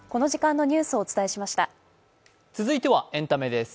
続いてはエンタメです。